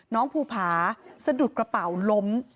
ภูผาสะดุดกระเป๋าล้ม